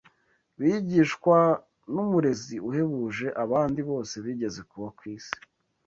bigishwa n’Umurezi uhebuje abandi bose bigeze kuba ku isi.